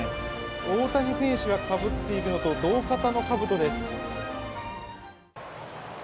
大谷選手がかぶっているのと同型のかぶとです。